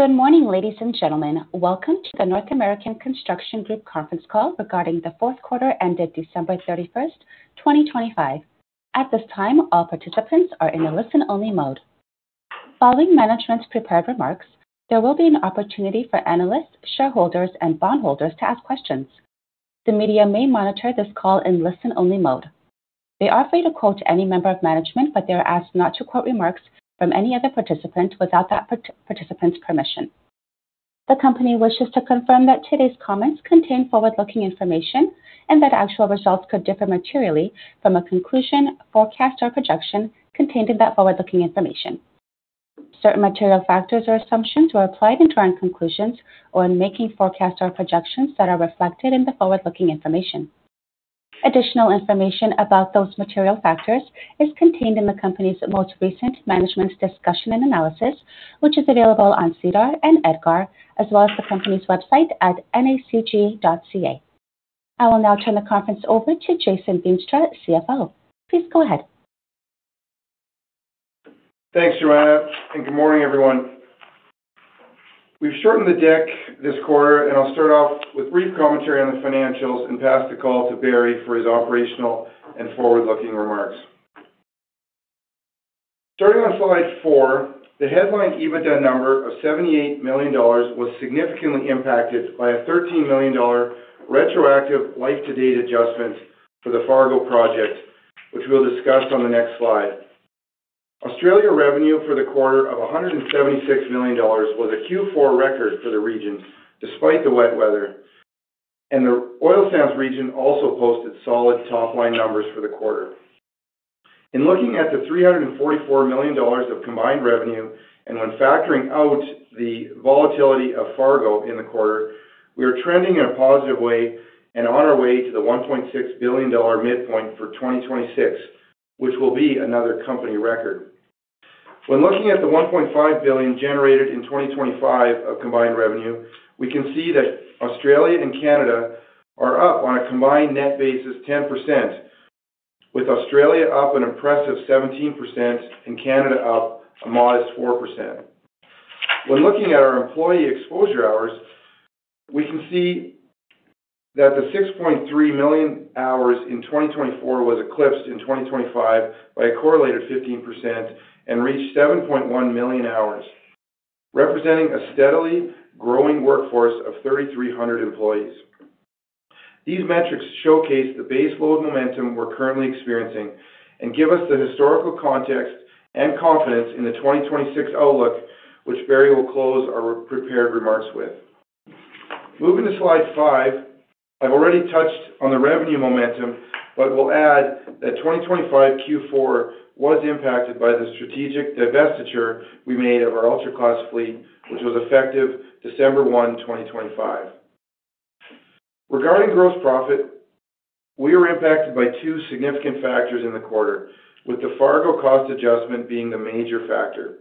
Good morning, ladies and gentlemen. Welcome to the North American Construction Group conference call regarding the fourth quarter ended December 31st, 2025. At this time, all participants are in a listen-only mode. Following management's prepared remarks, there will be an opportunity for analysts, shareholders, and bondholders to ask questions. The media may monitor this call in listen-only mode. They are free to quote any member of management, but they are asked not to quote remarks from any other participant without that participant's permission. The company wishes to confirm that today's comments contain forward-looking information and that actual results could differ materially from a conclusion, forecast, or projection contained in that forward-looking information. Certain material factors or assumptions were applied in drawing conclusions or in making forecasts or projections that are reflected in the forward-looking information. Additional information about those material factors is contained in the company's most recent management discussion and analysis, which is available on SEDAR and EDGAR, as well as the company's website at nacg.ca. I will now turn the conference over to Jason Veenstra, CFO. Please go ahead. Thanks, Joanna, and good morning, everyone. We've shortened the deck this quarter, and I'll start off with brief commentary on the financials and pass the call to Barry for his operational and forward-looking remarks. Starting on slide four, the headline EBITDA number of 78 million dollars was significantly impacted by a $13 million retroactive life-to-date adjustment for the Fargo project, which we'll discuss on the next slide. Australia revenue for the quarter of 176 million dollars was a Q4 record for the region, despite the wet weather. The oil sands region also posted solid top-line numbers for the quarter. In looking at the 344 million dollars of combined revenue, and when factoring out the volatility of Fargo in the quarter, we are trending in a positive way and on our way to the 1.6 billion dollar midpoint for 2026, which will be another company record. When looking at the 1.5 billion generated in 2025 of combined revenue, we can see that Australia and Canada are up on a combined net basis 10%, with Australia up an impressive 17% and Canada up a modest 4%. When looking at our employee exposure hours, we can see that the 6.3 million hours in 2024 was eclipsed in 2025 by a correlated 15% and reached 7.1 million hours, representing a steadily growing workforce of 3,300 employees. These metrics showcase the base load momentum we're currently experiencing and give us the historical context and confidence in the 2026 outlook, which Barry will close our prepared remarks with. Moving to slide five. I've already touched on the revenue momentum, but will add that 2025 Q4 was impacted by the strategic divestiture we made of our ultra-class fleet, which was effective December 1, 2025. Regarding gross profit, we were impacted by two significant factors in the quarter, with the Fargo cost adjustment being the major factor.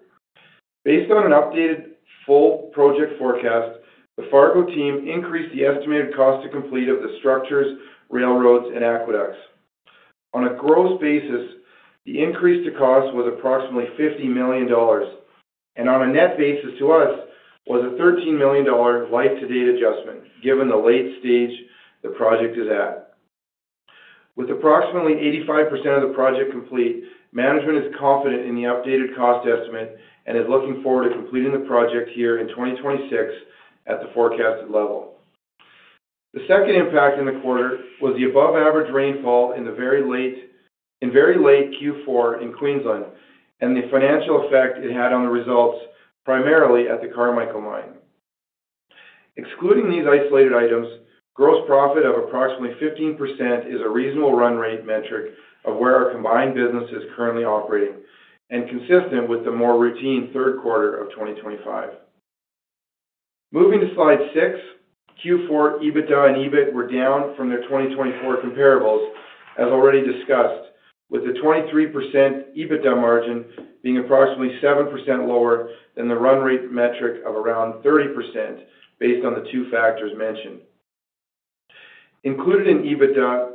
Based on an updated full project forecast, the Fargo team increased the estimated cost to complete of the structures, railroads, and aqueducts. On a gross basis, the increase to cost was approximately $50 million, and on a net basis to us was a $13 million life-to-date adjustment, given the late stage the project is at. With approximately 85% of the project complete, management is confident in the updated cost estimate and is looking forward to completing the project year in 2026 at the forecasted level. The second impact in the quarter was the above-average rainfall in very late Q4 in Queensland and the financial effect it had on the results, primarily at the Carmichael Mine. Excluding these isolated items, gross profit of approximately 15% is a reasonable run rate metric of where our combined business is currently operating and consistent with the more routine third quarter of 2025. Moving to slide six. Q4 EBITDA and EBIT were down from their 2024 comparables, as already discussed, with the 23% EBITDA margin being approximately 7% lower than the run rate metric of around 30% based on the two factors mentioned. Included in EBITDA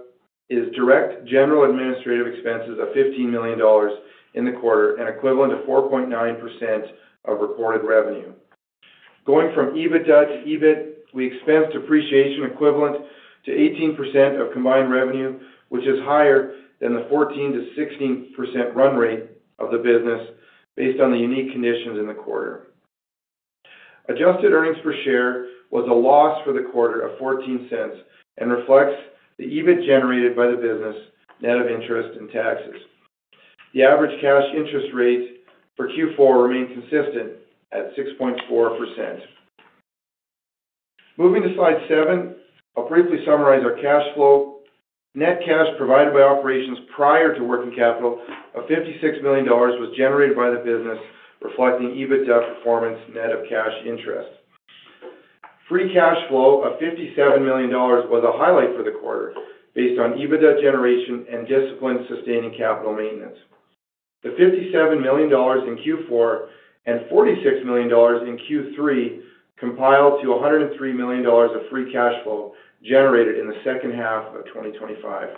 is direct general administrative expenses of 15 million dollars in the quarter and equivalent to 4.9% of reported revenue. Going from EBITDA to EBIT, we expensed depreciation equivalent to 18% of combined revenue, which is higher than the 14%-16% run rate of the business based on the unique conditions in the quarter. Adjusted earnings per share was a loss of CAD 0.14 for the quarter and reflects the EBIT generated by the business net of interest and taxes. The average cash interest rate for Q4 remained consistent at 6.4%. Moving to slide seven. I'll briefly summarize our cash flow. Net cash provided by operations prior to working capital of 56 million dollars was generated by the business, reflecting EBITDA performance net of cash interest. Free cash flow of 57 million dollars was a highlight for the quarter based on EBITDA generation and disciplined sustaining capital maintenance. The 57 million dollars in Q4 and 46 million dollars in Q3 combine to 103 million dollars of free cash flow generated in the second half of 2025.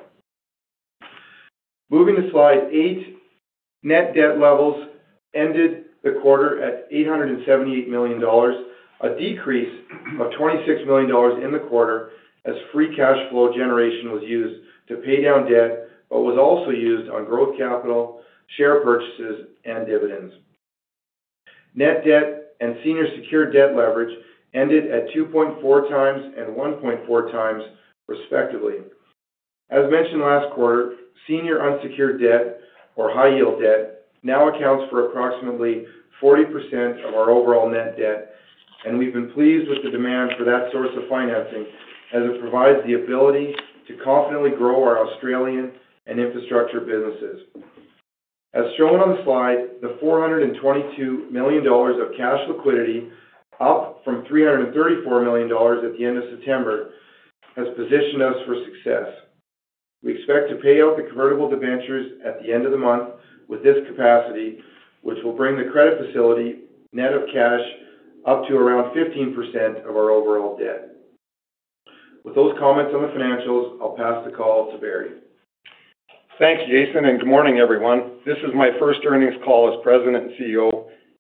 Moving to slide eight, net debt levels ended the quarter at 878 million dollars, a decrease of 26 million dollars in the quarter as free cash flow generation was used to pay down debt, but was also used on growth capital, share purchases, and dividends. Net debt and senior secured debt leverage ended at 2.4x and 1.4x, respectively. As mentioned last quarter, senior unsecured debt or high-yield debt now accounts for approximately 40% of our overall net debt, and we've been pleased with the demand for that source of financing as it provides the ability to confidently grow our Australian and infrastructure businesses. As shown on the slide, the 422 million dollars of cash liquidity, up from 334 million dollars at the end of September, has positioned us for success. We expect to pay out the convertible debentures at the end of the month with this capacity, which will bring the credit facility net of cash up to around 15% of our overall debt. With those comments on the financials, I'll pass the call to Barry. Thanks, Jason, and good morning, everyone. This is my first earnings call as President and CEO,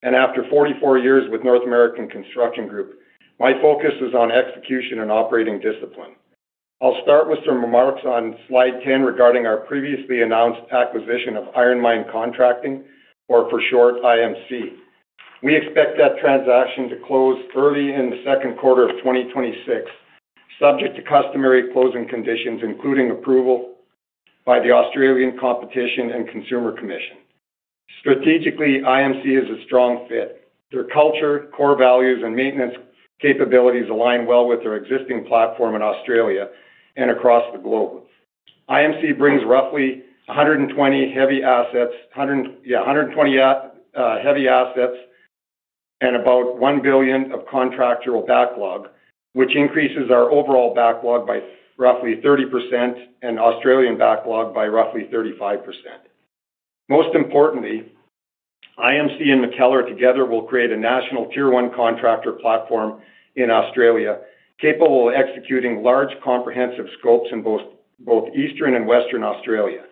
and after 44 years with North American Construction Group, my focus is on execution and operating discipline. I'll start with some remarks on slide 10 regarding our previously announced acquisition of Iron Mine Contracting, or for short, IMC. We expect that transaction to close early in the second quarter of 2026, subject to customary closing conditions, including approval by the Australian Competition and Consumer Commission. Strategically, IMC is a strong fit. Their culture, core values, and maintenance capabilities align well with their existing platform in Australia and across the globe. IMC brings roughly 120 heavy assets, 100 and... Yeah, 120 heavy assets and about 1 billion of contractual backlog, which increases our overall backlog by roughly 30% and Australian backlog by roughly 35%. Most importantly, IMC and MacKellar together will create a national tier one contractor platform in Australia, capable of executing large comprehensive scopes in both Eastern and Western Australia.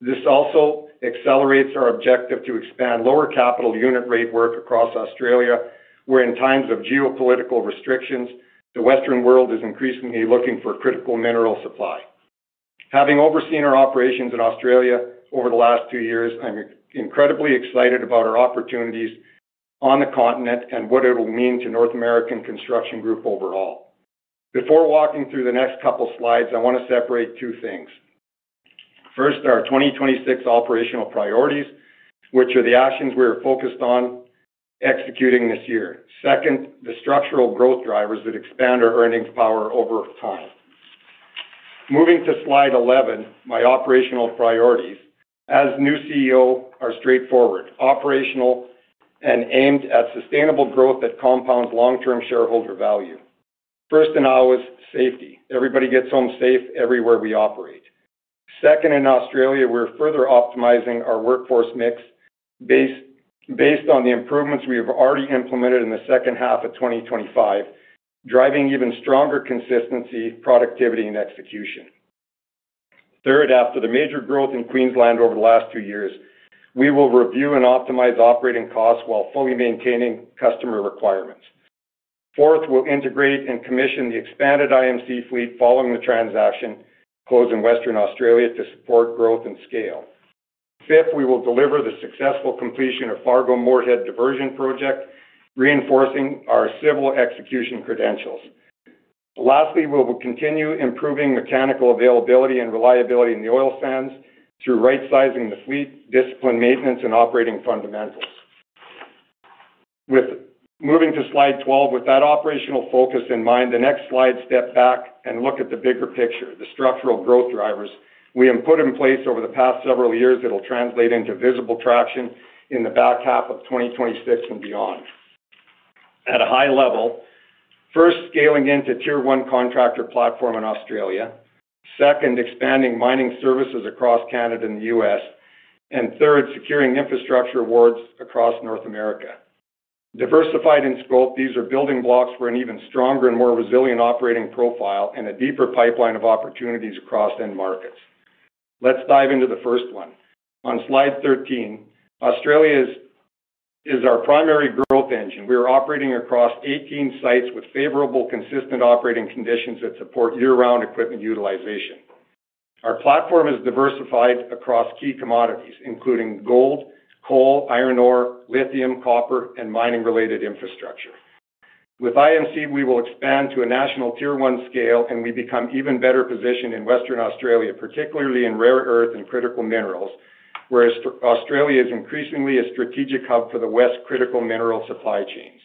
This also accelerates our objective to expand lower capital unit rate work across Australia, where in times of geopolitical restrictions, the Western world is increasingly looking for critical mineral supply. Having overseen our operations in Australia over the last two years, I'm incredibly excited about our opportunities on the continent and what it'll mean to North American Construction Group overall. Before walking through the next couple slides, I wanna separate two things. First, our 2026 operational priorities, which are the actions we are focused on executing this year. Second, the structural growth drivers that expand our earnings power over time. Moving to slide 11, my operational priorities as new CEO are straightforward, operational, and aimed at sustainable growth that compounds long-term shareholder value. First and always, safety. Everybody gets home safe everywhere we operate. Second, in Australia, we're further optimizing our workforce mix based on the improvements we have already implemented in the second half of 2025, driving even stronger consistency, productivity, and execution. Third, after the major growth in Queensland over the last two years, we will review and optimize operating costs while fully maintaining customer requirements. Fourth, we'll integrate and commission the expanded IMC fleet following the transaction close in Western Australia to support growth and scale. Fifth, we will deliver the successful completion of Fargo Moorhead Diversion project, reinforcing our civil execution credentials. Lastly, we will continue improving mechanical availability and reliability in the oil sands through right-sizing the fleet, discipline, maintenance, and operating fundamentals. Moving to slide 12. With that operational focus in mind, the next slide, step back and look at the bigger picture, the structural growth drivers we have put in place over the past several years that'll translate into visible traction in the back half of 2026 and beyond. At a high level, first, scaling into tier one contractor platform in Australia. Second, expanding mining services across Canada and the U.S. Third, securing infrastructure awards across North America. Diversified in scope, these are building blocks for an even stronger and more resilient operating profile and a deeper pipeline of opportunities across end markets. Let's dive into the first one. On slide 13, Australia is our primary growth engine. We are operating across 18 sites with favorable, consistent operating conditions that support year-round equipment utilization. Our platform is diversified across key commodities, including gold, coal, iron ore, lithium, copper, and mining-related infrastructure. With IMC, we will expand to a national Tier 1 scale, and we become even better positioned in Western Australia, particularly in rare earth and critical minerals, whereas Australia is increasingly a strategic hub for the West critical mineral supply chains.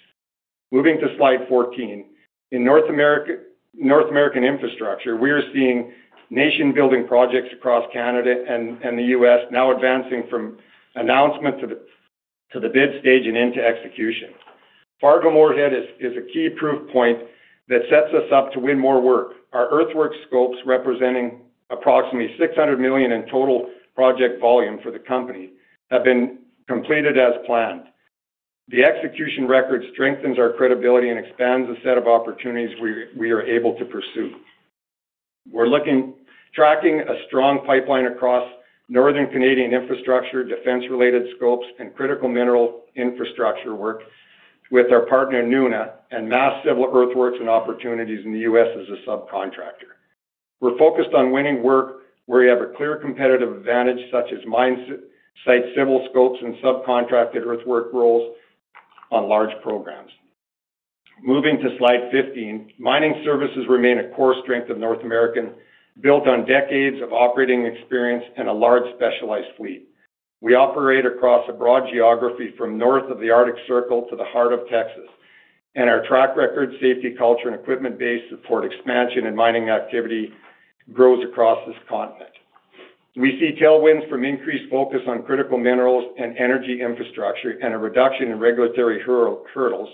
Moving to slide 14. In North America, North American infrastructure, we're seeing nation-building projects across Canada and the U.S. now advancing from announcement to the bid stage and into execution. Fargo Moorhead is a key proof point that sets us up to win more work. Our earthwork scopes, representing approximately 600 million in total project volume for the company, have been completed as planned. The execution record strengthens our credibility and expands the set of opportunities we are able to pursue. We're tracking a strong pipeline across northern Canadian infrastructure, defense-related scopes, and critical mineral infrastructure work with our partner, Nuna, and mass civil earthworks and opportunities in the U.S. as a subcontractor. We're focused on winning work where we have a clear competitive advantage, such as mine site civil scopes and subcontracted earthwork roles on large programs. Moving to slide 15, mining services remain a core strength of North American, built on decades of operating experience and a large specialized fleet. We operate across a broad geography from north of the Arctic Circle to the heart of Texas, and our track record, safety culture, and equipment base support expansion and mining activity grows across this continent. We see tailwinds from increased focus on critical minerals and energy infrastructure and a reduction in regulatory hurdles,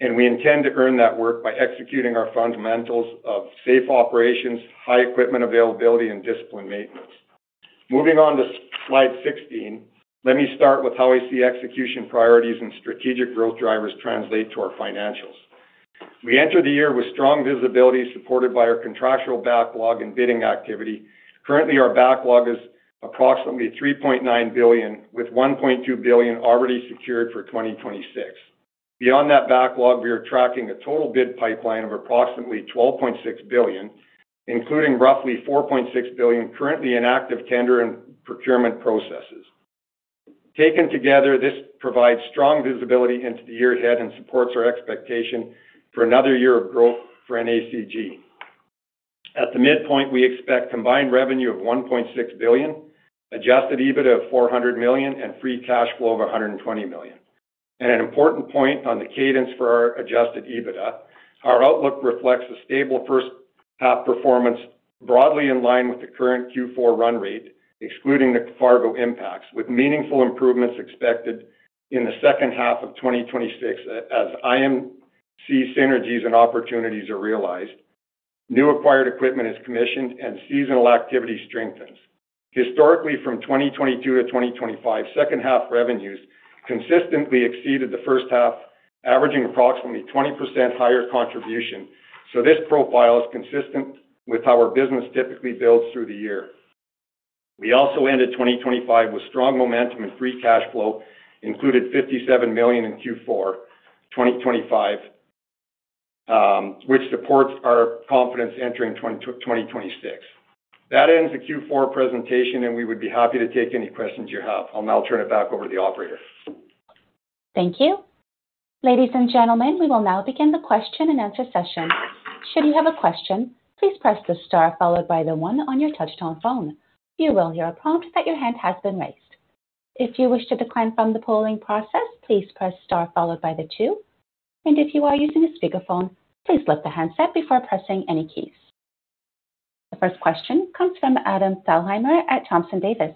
and we intend to earn that work by executing our fundamentals of safe operations, high equipment availability, and disciplined maintenance. Moving on to slide 16, let me start with how I see execution priorities and strategic growth drivers translate to our financials. We enter the year with strong visibility supported by our contractual backlog and bidding activity. Currently, our backlog is approximately 3.9 billion, with 1.2 billion already secured for 2026. Beyond that backlog, we are tracking a total bid pipeline of approximately 12.6 billion, including roughly 4.6 billion currently in active tender and procurement processes. Taken together, this provides strong visibility into the year ahead and supports our expectation for another year of growth for NACG. At the midpoint, we expect combined revenue of 1.6 billion, adjusted EBITDA of 400 million, and free cash flow of 120 million. An important point on the cadence for our adjusted EBITDA, our outlook reflects a stable first half performance broadly in line with the current Q4 run rate, excluding the Fargo impacts, with meaningful improvements expected in the second half of 2026 as IMC synergies and opportunities are realized. New acquired equipment is commissioned and seasonal activity strengthens. Historically, from 2022 to 2025, second half revenues consistently exceeded the first half, averaging approximately 20% higher contribution. This profile is consistent with how our business typically builds through the year. We also ended 2025 with strong momentum and free cash flow, included 57 million in Q4 2025, which supports our confidence entering 2026. That ends the Q4 presentation, and we would be happy to take any questions you have. I'll now turn it back over to the operator. Thank you. Ladies and gentlemen, we will now begin the question-and-answer session. Should you have a question, please press the star followed by the one on your touchtone phone. You will hear a prompt that your hand has been raised. If you wish to decline from the polling process, please press star followed by the two. If you are using a speakerphone, please lift the handset before pressing any keys. The first question comes from Adam Thalhimer at Thompson Davis.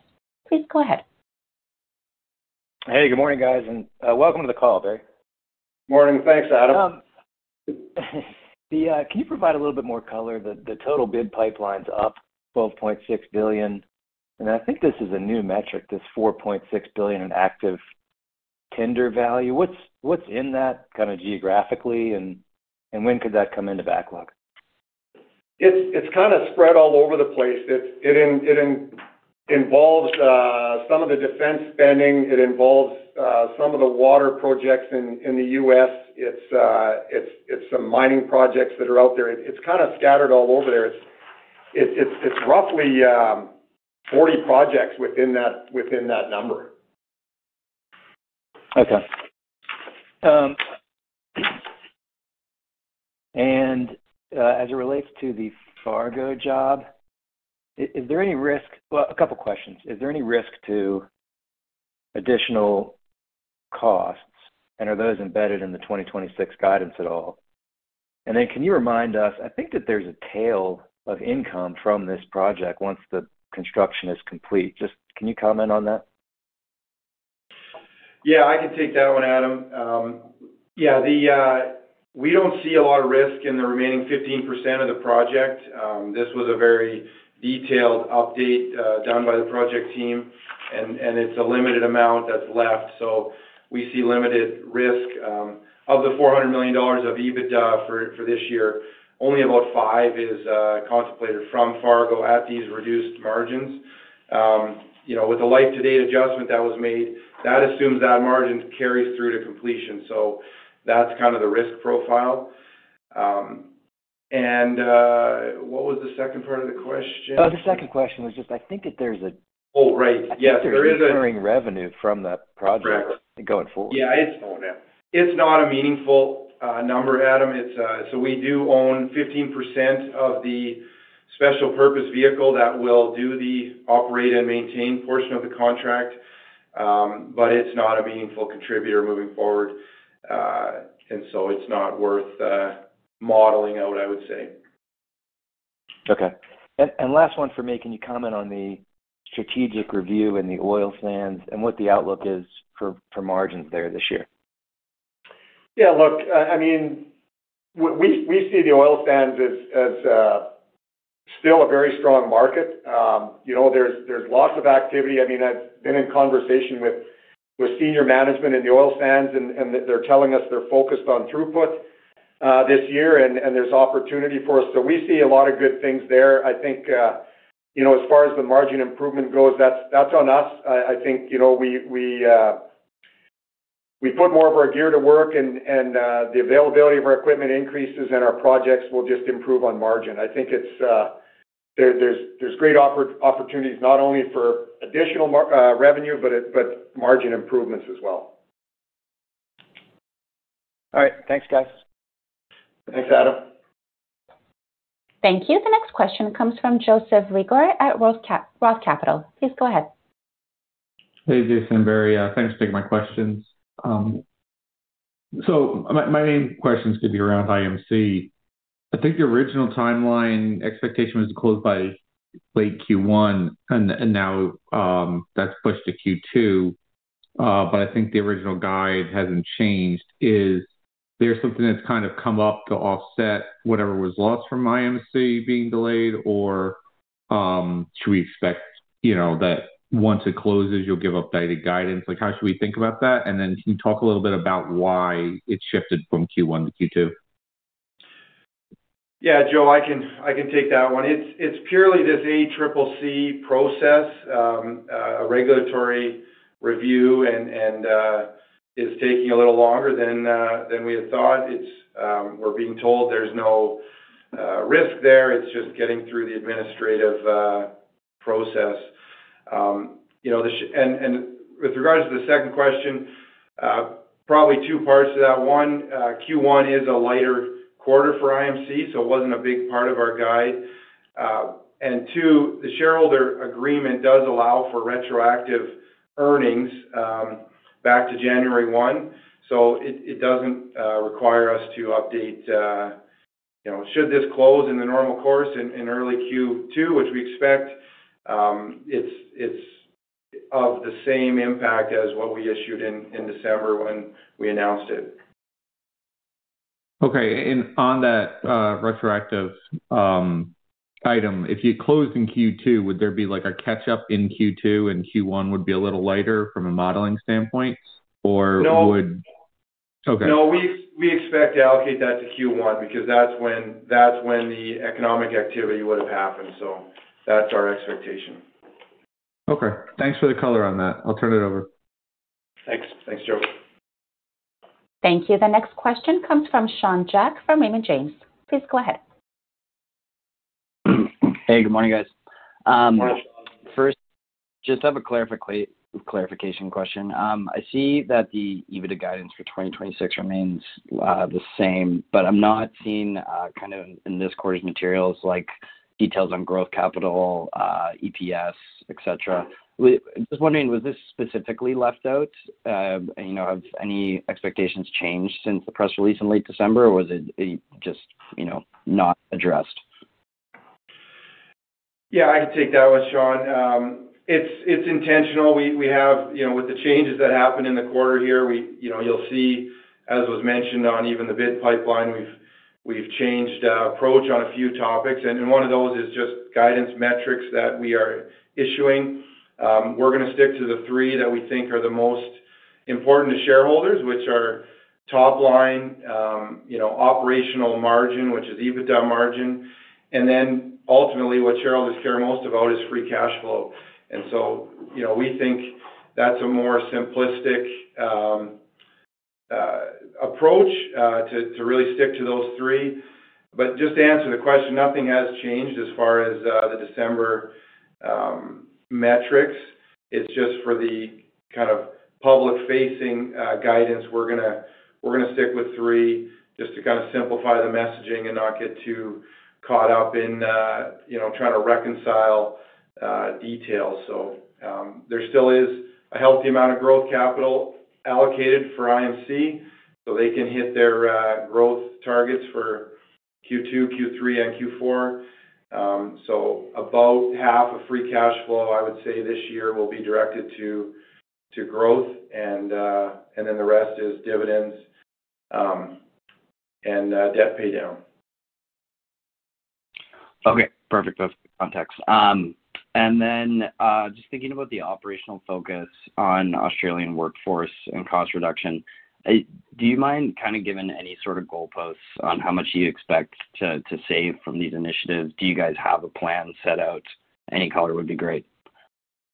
Please go ahead. Hey, good morning, guys, and welcome to the call, Barry. Morning. Thanks, Adam. Can you provide a little bit more color? The total bid pipeline's up 12.6 billion, and I think this is a new metric, this 4.6 billion in active tender value. What's in that kinda geographically, and when could that come into backlog? It's kinda spread all over the place. It involves some of the defense spending. It involves some of the water projects in the U.S. It's some mining projects that are out there. It's kinda scattered all over there. It's roughly 40 projects within that number. As it relates to the Fargo job, is there any risk to additional costs, and are those embedded in the 2026 guidance at all? Well, a couple questions. Can you remind us, I think that there's a tail of income from this project once the construction is complete. Just, can you comment on that? Yeah, I can take that one, Adam. Yeah, we don't see a lot of risk in the remaining 15% of the project. This was a very detailed update done by the project team, and it's a limited amount that's left. We see limited risk. Of the $400 million of EBITDA for this year, only about $5 million is contemplated from Fargo at these reduced margins. You know, with the life-to-date adjustment that was made, that assumes that margin carries through to completion. That's kind of the risk profile. What was the second part of the question? Oh, the second question was just, I think, that there's a. Oh, right. Yeah. I think there's recurring revenue from that project. Correct. going forward. Yeah. It's not a meaningful number, Adam. We do own 15% of the special purpose vehicle that will do the operate and maintain portion of the contract, but it's not a meaningful contributor moving forward, and so it's not worth modeling out, I would say. Okay. Last one for me. Can you comment on the strategic review in the oil sands and what the outlook is for margins there this year? Yeah. Look, I mean, we see the oil sands as still a very strong market. You know, there's lots of activity. I mean, I've been in conversation with senior management in the oil sands and they're telling us they're focused on throughput this year and there's opportunity for us. We see a lot of good things there. I think you know, as far as the margin improvement goes, that's on us. I think you know, we put more of our gear to work and the availability of our equipment increases and our projects will just improve on margin. I think there's great opportunities not only for additional revenue, but margin improvements as well. All right. Thanks, guys. Thanks, Adam. Thank you. The next question comes from Joseph Reagor at Roth Capital. Please go ahead. Hey, Jason and Barry. Thanks for taking my questions. My main questions could be around IMC. I think the original timeline expectation was to close by late Q1, and now that's pushed to Q2. I think the original guide hasn't changed. Is there something that's kind of come up to offset whatever was lost from IMC being delayed? Should we expect, you know, that once it closes, you'll give updated guidance? Like, how should we think about that? Can you talk a little bit about why it shifted from Q1 to Q2? Yeah. Joe, I can take that one. It's purely this ACCC process, regulatory review and is taking a little longer than we had thought. It's, we're being told there's no risk there. It's just getting through the administrative process. You know, with regards to the second question, probably two parts to that. One, Q1 is a lighter quarter for IMC, so it wasn't a big part of our guide. and two, the shareholder agreement does allow for retroactive earnings back to January one, so it doesn't require us to update you know. Should this close in the normal course in early Q2, which we expect, it's of the same impact as what we issued in December when we announced it. Okay. On that, retroactive item, if you close in Q2, would there be like a catch-up in Q2, and Q1 would be a little lighter from a modeling standpoint? Or would No. Okay. No. We expect to allocate that to Q1 because that's when the economic activity would have happened. That's our expectation. Okay. Thanks for the color on that. I'll turn it over. Thanks. Thanks, Joe. Thank you. The next question comes from Sean Jack from Raymond James. Please go ahead. Hey. Good morning, guys. Morning. First, just have a clarification question. I see that the EBITDA guidance for 2026 remains the same, but I'm not seeing kind of in this quarter's materials like details on growth capital, EPS, et cetera. Just wondering, was this specifically left out? You know, have any expectations changed since the press release in late December, or was it just, you know, not addressed? Yeah, I can take that one, Sean. It's intentional. We have, you know, with the changes that happened in the quarter here, you know, you'll see, as was mentioned on even the bid pipeline, we've changed our approach on a few topics. One of those is just guidance metrics that we are issuing. We're gonna stick to the three that we think are the most important to shareholders, which are top line, you know, operational margin, which is EBITDA margin. Then ultimately, what shareholders care most about is free cash flow. So, you know, we think that's a more simplistic approach to really stick to those three. Just to answer the question, nothing has changed as far as the December metrics. It's just for the kind of public-facing guidance. We're gonna stick with three just to kind of simplify the messaging and not get too caught up in, you know, trying to reconcile details. There still is a healthy amount of growth capital allocated for IMC so they can hit their growth targets for Q2, Q3, and Q4. About half of free cash flow, I would say, this year will be directed to growth, and then the rest is dividends and debt paydown. Okay. Perfect. That's the context. Just thinking about the operational focus on Australian workforce and cost reduction, do you mind kind of giving any sort of goalposts on how much you expect to save from these initiatives? Do you guys have a plan set out? Any color would be great.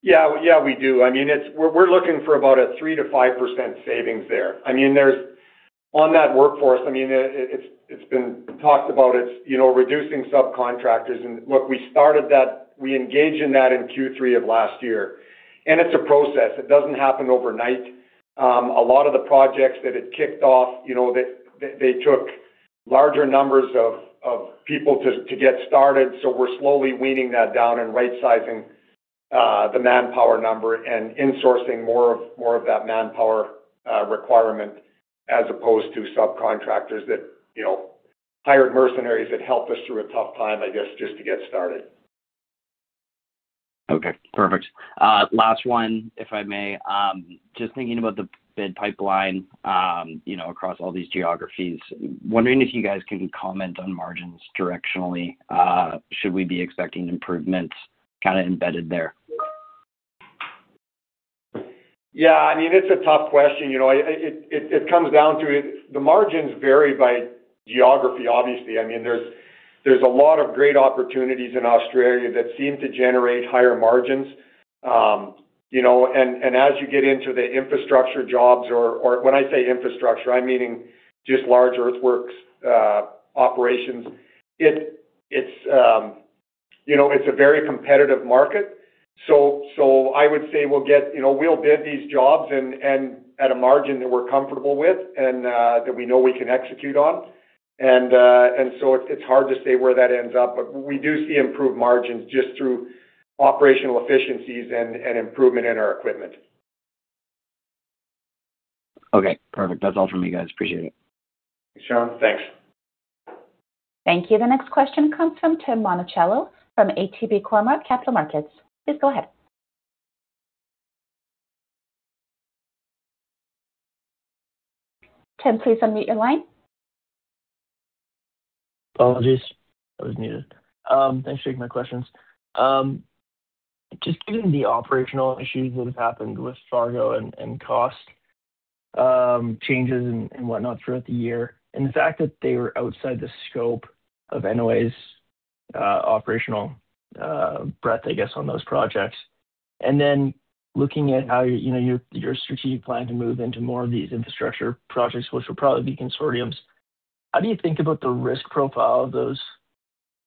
Yeah. Yeah, we do. I mean, it's We're looking for about a 3%-5% savings there. I mean, there's on that workforce, I mean, it's been talked about. It's, you know, reducing subcontractors. Look, we engaged in that in Q3 of last year. It's a process. It doesn't happen overnight. A lot of the projects that had kicked off, you know, that they took larger numbers of people to get started. We're slowly weaning that down and rightsizing the manpower number and insourcing more of that manpower requirement as opposed to subcontractors that, you know, hired mercenaries that helped us through a tough time, I guess, just to get started. Okay, perfect. Last one, if I may. Just thinking about the bid pipeline, you know, across all these geographies. Wondering if you guys can comment on margins directionally. Should we be expecting improvements kinda embedded there? Yeah, I mean, it's a tough question. You know, it comes down to it. The margins vary by geography, obviously. I mean, there's a lot of great opportunities in Australia that seem to generate higher margins. You know, and as you get into the infrastructure jobs or. When I say infrastructure, I'm meaning just large earthworks operations. It's a very competitive market. So I would say we'll get. You know, we'll bid these jobs and at a margin that we're comfortable with and that we know we can execute on. And so it's hard to say where that ends up. We do see improved margins just through operational efficiencies and improvement in our equipment. Okay, perfect. That's all from me, guys. Appreciate it. Sean, thanks. Thank you. The next question comes from Tim Monachello from ATB Cormark Capital Markets. Please go ahead. Tim, please unmute your line. Apologies, I was muted. Thanks for taking my questions. Just given the operational issues that have happened with Fargo and cost changes and whatnot throughout the year, and the fact that they were outside the scope of NOA's operational breadth, I guess, on those projects. Then looking at how, you know, your strategic plan to move into more of these infrastructure projects, which will probably be consortiums, how do you think about the risk profile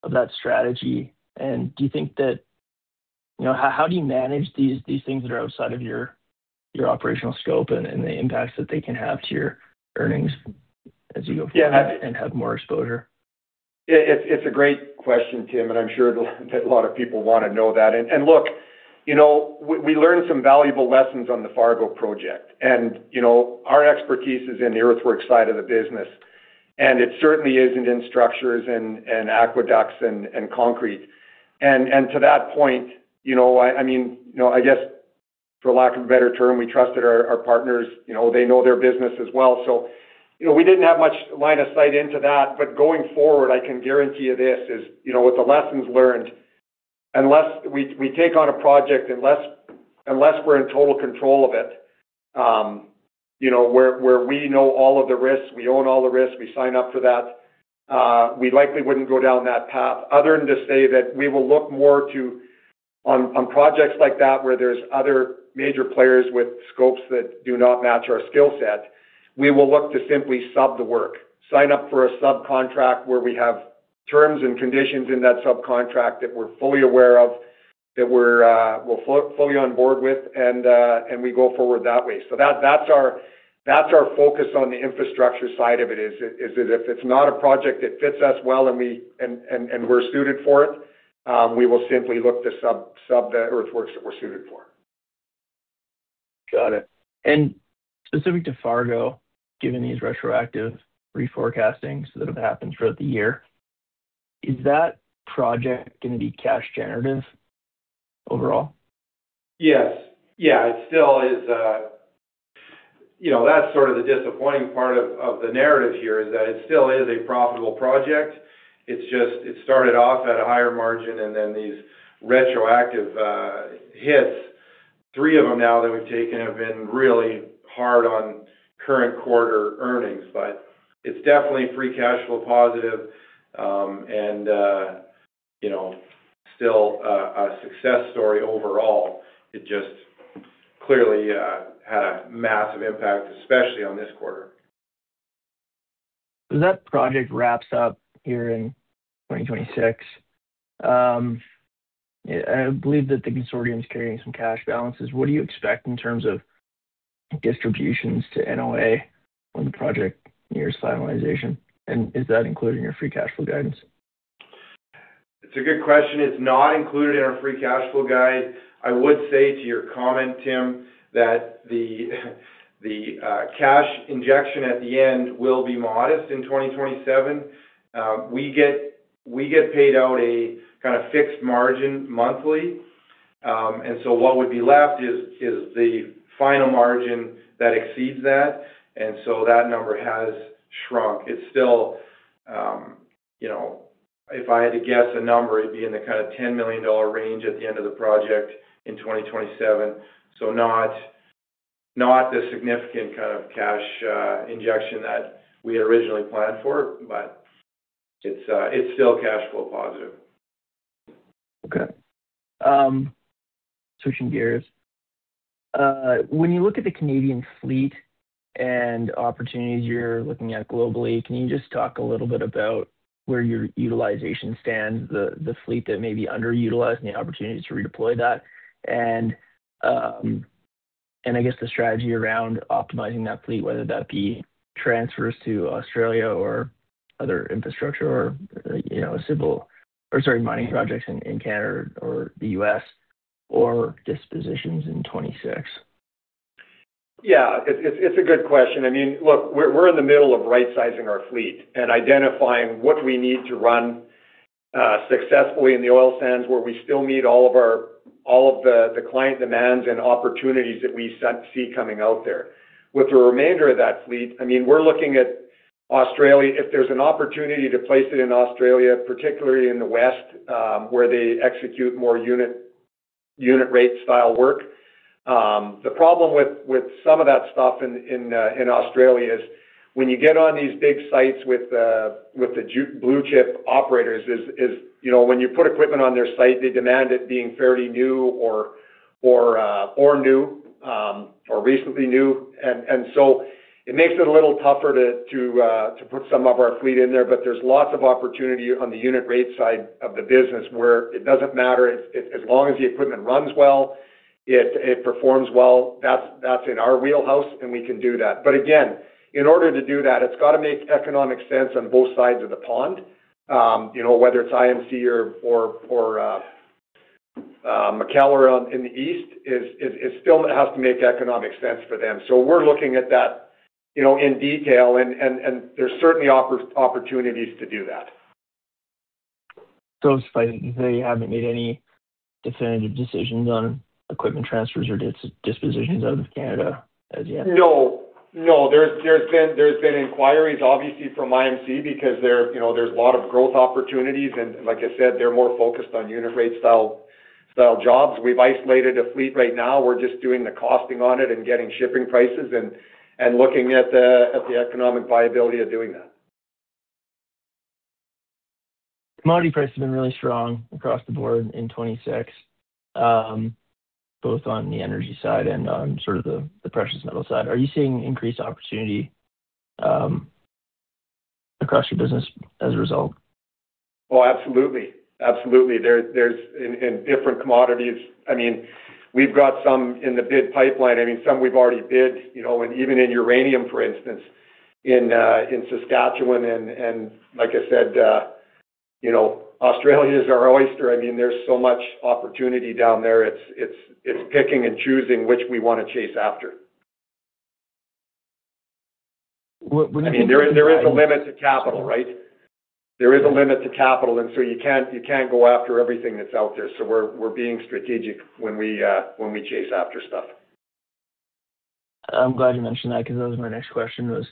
of that strategy? Do you think that you know, how do you manage these things that are outside of your operational scope and the impacts that they can have to your earnings as you go forward and have more exposure? It's a great question, Tim, and I'm sure that a lot of people wanna know that. Look, you know, we learned some valuable lessons on the Fargo project. You know, our expertise is in the earthwork side of the business, and it certainly isn't in structures and aqueducts and concrete. To that point, you know, I mean, you know, I guess for lack of a better term, we trusted our partners. You know, they know their business as well. You know, we didn't have much line of sight into that. Going forward, I can guarantee you this is, you know, with the lessons learned, unless we take on a project, unless we're in total control of it, you know, where we know all of the risks, we own all the risks, we sign up for that, we likely wouldn't go down that path. Other than to say that we will look more to on projects like that, where there's other major players with scopes that do not match our skill set, we will look to simply sub the work. Sign up for a subcontract where we have terms and conditions in that subcontract that we're fully aware of, that we're fully on board with, and we go forward that way. That's our focus on the infrastructure side of it. If it's not a project that fits us well and we're suited for it, we will simply look to sub the earthworks that we're suited for. Got it. Specific to Fargo, given these retroactive reforecasting that have happened throughout the year, is that project gonna be cash generative overall? Yes. Yeah, it still is. You know, that's sort of the disappointing part of the narrative here, is that it still is a profitable project. It's just, it started off at a higher margin and then these retroactive hits, three of them now that we've taken, have been really hard on current quarter earnings. It's definitely free cash flow positive, and you know, still a success story overall. It just clearly had a massive impact, especially on this quarter. When that project wraps up here in 2026, I believe that the consortium is carrying some cash balances. What do you expect in terms of distributions to NOA when the project nears finalization? Is that included in your free cash flow guidance? It's a good question. It's not included in our free cash flow guide. I would say to your comment, Tim, that the cash injection at the end will be modest in 2027. We get paid out a kinda fixed margin monthly. What would be left is the final margin that exceeds that. That number has shrunk. It's still. If I had to guess a number, it'd be in the kinda 10 million dollar range at the end of the project in 2027. Not the significant kind of cash injection that we originally planned for, but it's still cash flow positive. Okay. Switching gears. When you look at the Canadian fleet and opportunities you're looking at globally, can you just talk a little bit about where your utilization stands, the fleet that may be underutilized and the opportunities to redeploy that? I guess the strategy around optimizing that fleet, whether that be transfers to Australia or other infrastructure or, you know, mining projects in Canada or the U.S. or dispositions in 2026. Yeah, it's a good question. I mean, look, we're in the middle of rightsizing our fleet and identifying what we need to run successfully in the oil sands, where we still meet all of the client demands and opportunities that we see coming out there. With the remainder of that fleet, I mean, we're looking at Australia. If there's an opportunity to place it in Australia, particularly in the West, where they execute more unit rate style work. The problem with some of that stuff in Australia is when you get on these big sites with the blue-chip operators, you know, when you put equipment on their site, they demand it being fairly new or new or recently new. It makes it a little tougher to put some of our fleet in there. There's lots of opportunity on the unit rate side of the business where it doesn't matter as long as the equipment runs well, it performs well. That's in our wheelhouse, and we can do that. Again, in order to do that, it's gotta make economic sense on both sides of the pond. You know, whether it's IMC or MacKellar or in the East, it still has to make economic sense for them. We're looking at that, you know, in detail and there's certainly opportunities to do that. You haven't made any definitive decisions on equipment transfers or dispositions out of Canada as yet? No. There's been inquiries obviously from IMC because, you know, there's a lot of growth opportunities and like I said, they're more focused on unit rate style jobs. We've isolated a fleet right now. We're just doing the costing on it and getting shipping prices and looking at the economic viability of doing that. Commodity prices have been really strong across the board in 2026, both on the energy side and on sort of the precious metal side. Are you seeing increased opportunity across your business as a result? Oh, absolutely. There's in different commodities. I mean, we've got some in the bid pipeline. I mean, some we've already bid, you know, and even in uranium, for instance, in Saskatchewan and like I said, you know, Australia is our oyster. I mean, there's so much opportunity down there. It's picking and choosing which we wanna chase after. When you think of the guidance. I mean, there is a limit to capital, right? There is a limit to capital, and so you can't go after everything that's out there. We're being strategic when we chase after stuff. I'm glad you mentioned that because that was my next question,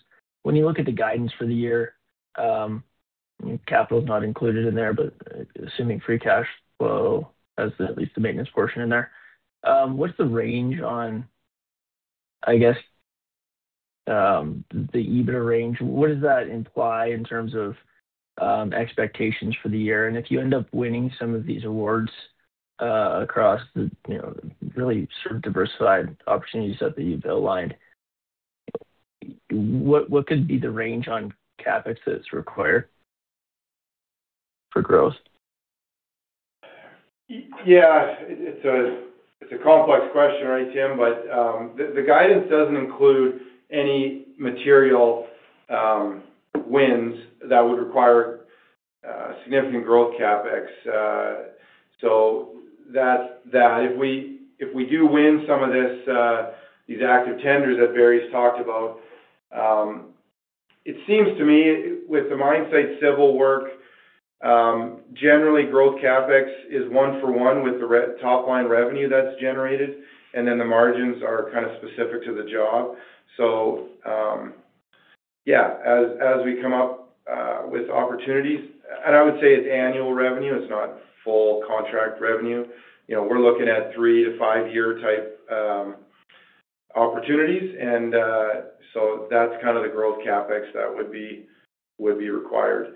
when you look at the guidance for the year, capital is not included in there, but assuming free cash flow has at least the maintenance portion in there. What's the range on, I guess, the EBITDA range? What does that imply in terms of expectations for the year? And if you end up winning some of these awards, across the, you know, really sort of diversified opportunities that you've aligned, what could be the range on CapEx that's required for growth? It's a complex question, right, Tim? The guidance doesn't include any material wins that would require significant growth CapEx. So that's that. If we do win some of this, these active tenders that Barry's talked about, it seems to me with the mine site civil work, generally, growth CapEx is one-for-one with the top line revenue that's generated, and then the margins are kind of specific to the job. Yeah, as we come up with opportunities. I would say it's annual revenue, it's not full contract revenue. You know, we're looking at three to five-year type opportunities. So that's kind of the growth CapEx that would be required.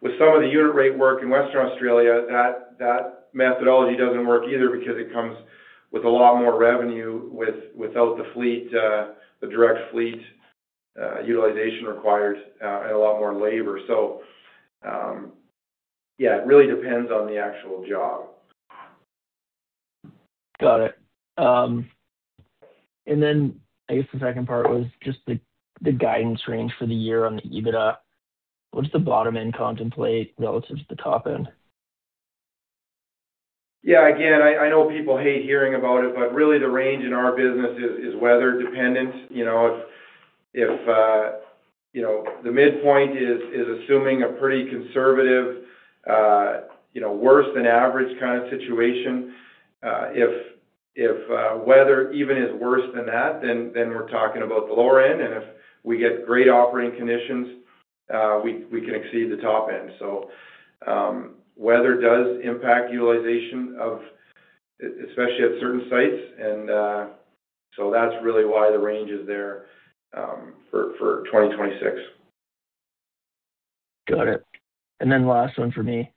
With some of the unit rate work in Western Australia, that methodology doesn't work either because it comes with a lot more revenue without the fleet, the direct fleet utilization required, and a lot more labor. Yeah, it really depends on the actual job. Got it. I guess the second part was just the guidance range for the year on the EBITDA. What does the bottom end contemplate relative to the top end? Yeah. Again, I know people hate hearing about it, but really the range in our business is weather dependent. You know, if you know, the midpoint is assuming a pretty conservative, worse than average kind of situation. If weather even is worse than that, then we're talking about the lower end. If we get great operating conditions, we can exceed the top end. So, weather does impact utilization especially at certain sites. So that's really why the range is there, for 2026. Got it. Last one for me.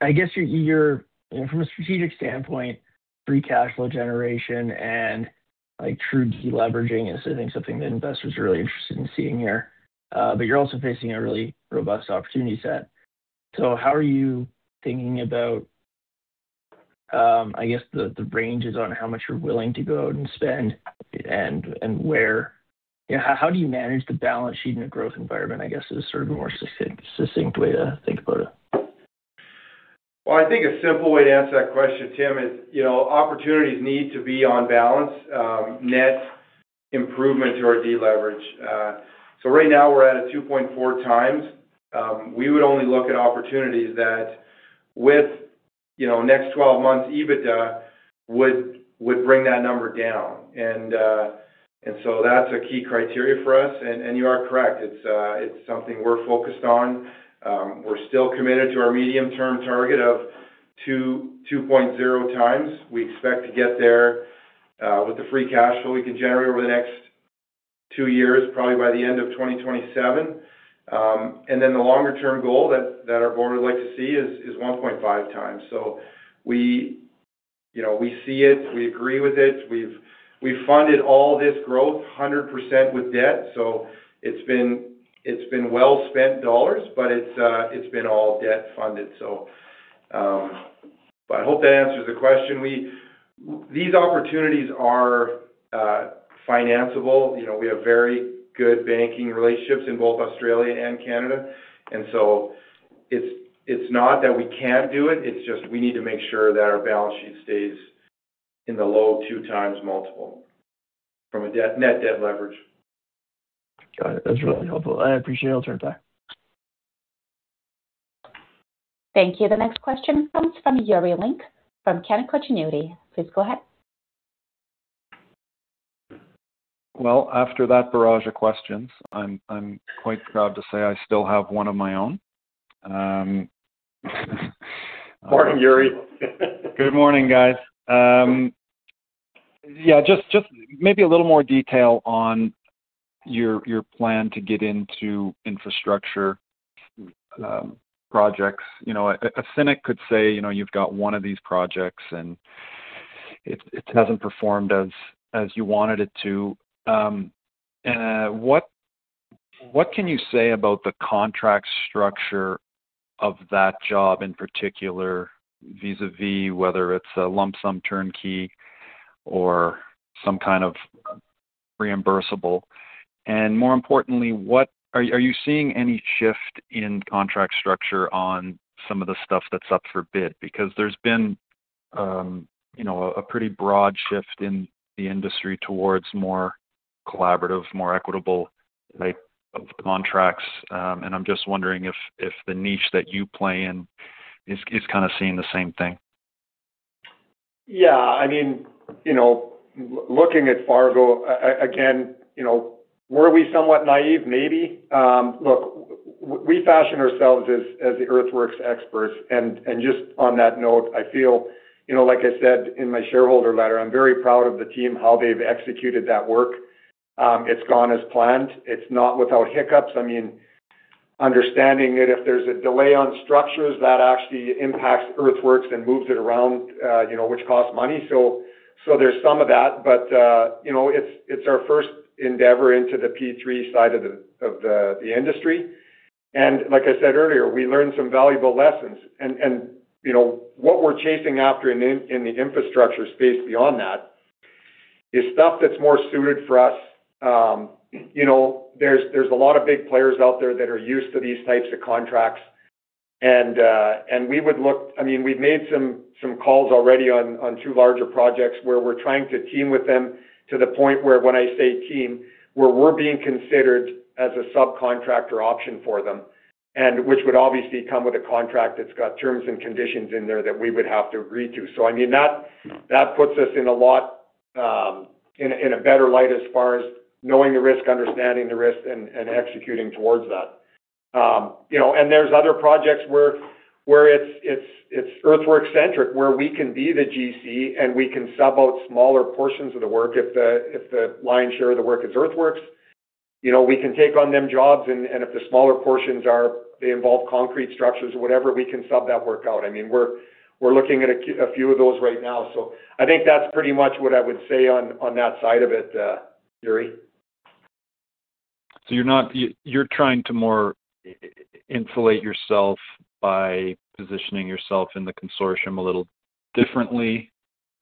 I guess you're from a strategic standpoint, free cash flow generation and a true deleveraging is I think something that investors are really interested in seeing here. You're also facing a really robust opportunity set. How are you thinking about, I guess the ranges on how much you're willing to go out and spend and where? How do you manage the balance sheet in a growth environment, I guess, is sort of a more succinct way to think about it. Well, I think a simple way to answer that question, Tim, is, you know, opportunities need to be on balance, net improvement to our deleverage. Right now we're at 2.4x. We would only look at opportunities that with, you know, next 12 months EBITDA would bring that number down. That's a key criteria for us. You are correct. It's something we're focused on. We're still committed to our medium-term target of 2.0x. We expect to get there with the free cash flow we can generate over the next two years, probably by the end of 2027. The longer term goal that our board would like to see is 1.5x. We, you know, we see it, we agree with it. We've funded all this growth 100% with debt. It's been well-spent dollars, but it's been all debt funded. I hope that answers the question. These opportunities are financiable. You know, we have very good banking relationships in both Australia and Canada. It's not that we can't do it's just we need to make sure that our balance sheet stays in the low 2x multiple from a net debt leverage. Got it. That's really helpful, and I appreciate your time. Thank you. The next question comes from Yuri Lynk from Canaccord Genuity. Please go ahead. Well, after that barrage of questions, I'm quite proud to say I still have one of my own. Morning, Yuri. Good morning, guys. Yeah, just maybe a little more detail on your plan to get into infrastructure projects. You know, a cynic could say, you know, you've got one of these projects and it hasn't performed as you wanted it to. What can you say about the contract structure of that job in particular, vis-a-vis whether it's a lump sum turnkey or some kind of reimbursable? More importantly, what are you seeing any shift in contract structure on some of the stuff that's up for bid? Because there's been, you know, a pretty broad shift in the industry towards more collaborative, more equitable type of contracts. I'm just wondering if the niche that you play in is kinda seeing the same thing. Yeah. I mean, you know, looking at Fargo again, you know, were we somewhat naive? Maybe. Look, we fashion ourselves as the earthworks experts. Just on that note, I feel, you know, like I said in my shareholder letter, I'm very proud of the team, how they've executed that work. It's gone as planned. It's not without hiccups. I mean, understanding that if there's a delay on structures that actually impacts earthworks and moves it around, you know, which costs money. So there's some of that. You know, it's our first endeavor into the P3 side of the industry. Like I said earlier, we learned some valuable lessons. You know, what we're chasing after in the infrastructure space beyond that is stuff that's more suited for us. You know, there's a lot of big players out there that are used to these types of contracts. I mean, we've made some calls already on two larger projects where we're trying to team with them to the point where when I say team, where we're being considered as a subcontractor option for them, and which would obviously come with a contract that's got terms and conditions in there that we would have to agree to. I mean, that puts us in a lot in a better light as far as knowing the risk, understanding the risk, and executing towards that. You know, there's other projects where it's earthwork centric, where we can be the GC and we can sub out smaller portions of the work. If the lion's share of the work is earthworks, you know, we can take on them jobs and if the smaller portions are they involve concrete structures or whatever, we can sub that work out. I mean, we're looking at a few of those right now. I think that's pretty much what I would say on that side of it, Yuri. You're trying to more insulate yourself by positioning yourself in the consortium a little differently,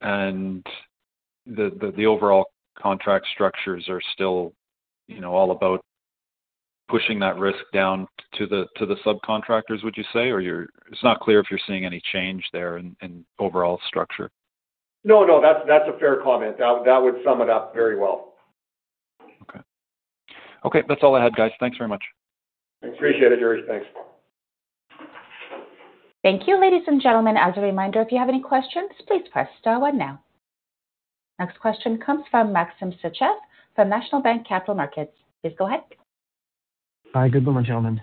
and the overall contract structures are still, you know, all about pushing that risk down to the subcontractors, would you say? Or you're. It's not clear if you're seeing any change there in overall structure. No, that's a fair comment. That would sum it up very well. Okay. Okay, that's all I had, guys. Thanks very much. Appreciate it, Yuri. Thanks. Thank you. Ladies and gentlemen, as a reminder, if you have any questions, please press star one now. Next question comes from Maxim Sytchev from National Bank Capital Markets. Please go ahead. Hi. Good morning, gentlemen.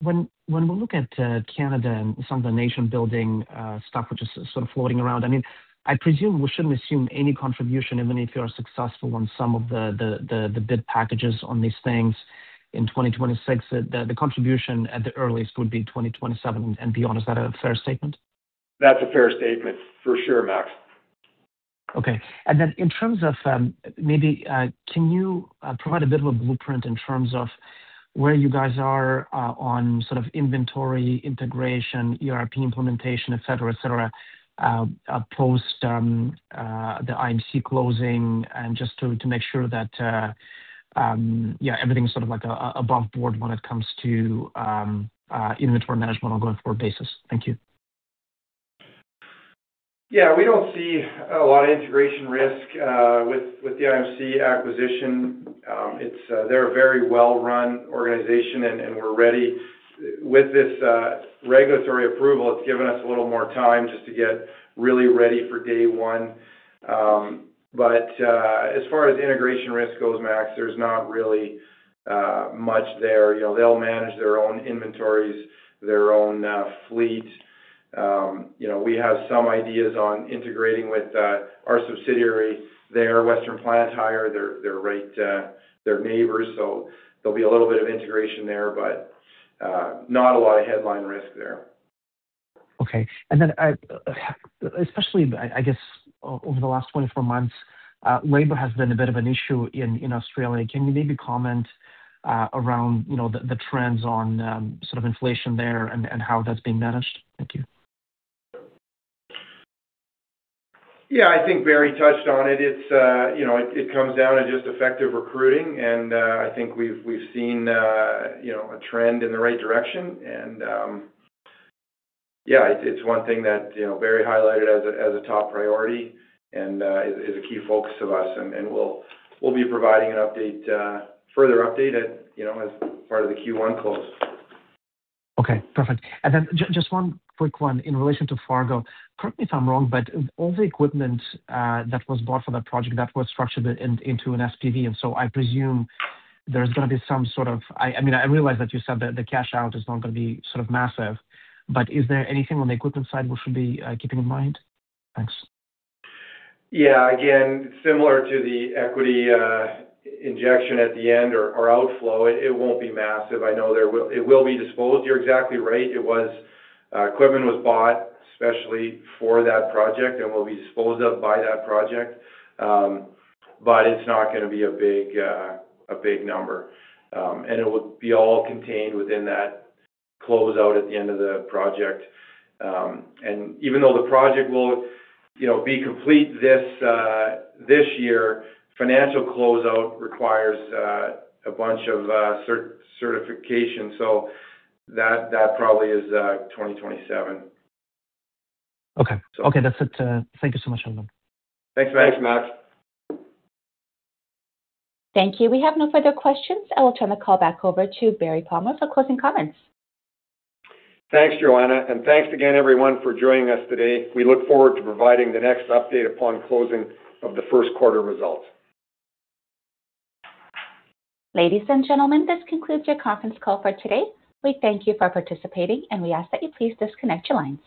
When we look at Canada and some of the nation-building stuff which is sort of floating around, I mean, I presume we shouldn't assume any contribution, even if you are successful on some of the bid packages on these things in 2026. The contribution at the earliest would be 2027 and beyond. Is that a fair statement? That's a fair statement for sure, Max. Okay. In terms of maybe can you provide a bit of a blueprint in terms of where you guys are on sort of inventory integration, ERP implementation, et cetera, et cetera, post the IMC closing and just to make sure that yeah, everything's sort of like above board when it comes to inventory management on ongoing forward basis. Thank you. Yeah, we don't see a lot of integration risk with the IMC acquisition. It's, they're a very well-run organization, and we're ready. With this regulatory approval, it's given us a little more time just to get really ready for day one. But as far as integration risk goes, Max, there's not really much there. You know, they'll manage their own inventories, their own fleet. You know, we have some ideas on integrating with our subsidiary. Their Western Plant Hire, they're right, they're neighbors, so there'll be a little bit of integration there, but not a lot of headline risk there. Okay. Especially, I guess over the last 24 months, labor has been a bit of an issue in Australia. Can you maybe comment around you know the trends on sort of inflation there and how that's being managed? Thank you. Yeah. I think Barry touched on it. It's, you know, it comes down to just effective recruiting and, I think we've seen, you know, a trend in the right direction. Yeah, it's one thing that, you know, Barry highlighted as a top priority and is a key focus of us. We'll be providing a further update at, you know, as part of the Q1 close. Okay. Perfect. Just one quick one. In relation to Fargo, correct me if I'm wrong, but all the equipment that was bought for the project that was structured into an SPV. I presume there's gonna be some sort of. I mean, I realize that you said the cash out is not gonna be sort of massive, but is there anything on the equipment side we should be keeping in mind? Thanks. Yeah. Again, similar to the equity injection at the end or outflow, it won't be massive. I know it will be disposed. You're exactly right. It was equipment was bought especially for that project and will be disposed of by that project. It's not gonna be a big number. It would be all contained within that closeout at the end of the project. Even though the project will, you know, be complete this year, financial closeout requires a bunch of certification. That probably is 2027. Okay. Okay, that's it. Thank you so much, Jason. Thanks, Max. Thank you. We have no further questions. I will turn the call back over to Barry Palmer for closing comments. Thanks, Joanna. Thanks again, everyone, for joining us today. We look forward to providing the next update upon closing of the first quarter results. Ladies and gentlemen, this concludes your conference call for today. We thank you for participating, and we ask that you please disconnect your lines.